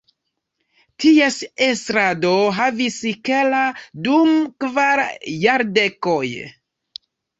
Ties estradon havis Keller dum kvar jardekoj.